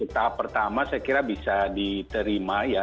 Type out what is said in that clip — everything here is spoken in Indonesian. tahap pertama saya kira bisa diterima ya